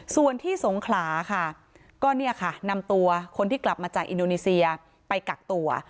ส่วนที่สงขลาค่ะก็เนี่ยค่ะนำตัวคนที่กลับมาจากอินโดนีเซียไปกักตัว